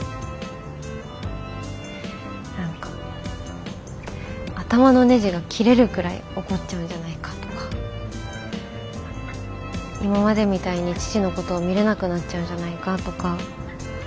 何か頭のネジが切れるくらい怒っちゃうんじゃないかとか今までみたいに父のことを見れなくなっちゃうんじゃないかとか。